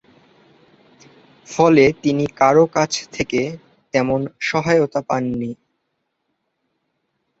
ফলে তিনি কারও কাছ থেকে তেমন সহায়তা পাননি।